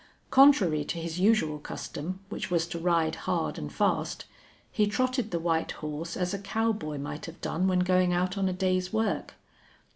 Contrary to his usual custom, which was to ride hard and fast, he trotted the white horse as a cowboy might have done when going out on a day's work.